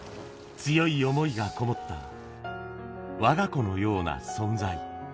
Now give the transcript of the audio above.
強い想いが込もった、わが子のような存在。